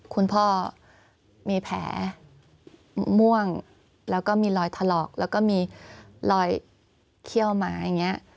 คุณพ่อมีแผลม่วงแล้วก็มีรอยถลอกแล้วก็มีรอยเขี้ยวหมาอย่างนี้